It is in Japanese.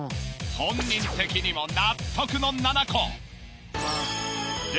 本人的にも納得の７個。